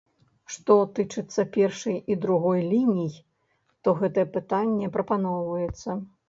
Што тычыцца першай і другой ліній, то гэтае пытанне прапрацоўваецца.